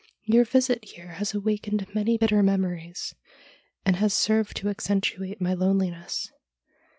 Your visit here has awakened many bitter memories, and has served to accentuate my loneliness.